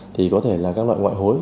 thì có thể là các loại ngoại hối